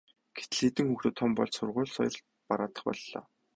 гэтэл хэдэн хүүхдүүд том болж сургууль соёл бараадах боллоо.